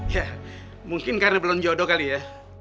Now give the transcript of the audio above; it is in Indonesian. ya mungkin karena belum jodoh kali ya